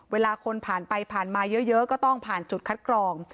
เวลาคนผ่านไปผ่านมาเยอะก็ต้องผ่านจุดคัดกรอง